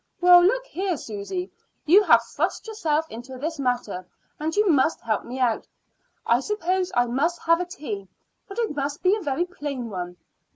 "Well, look here, Susy, you have thrust yourself into this matter, and you must help me out. I suppose I must have a tea, but it must be a very plain one."